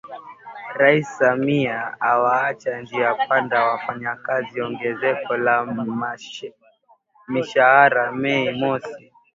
Rais Samia awaacha njia panda wafanyakazi Ongezeko la Mishahara Mei Mosi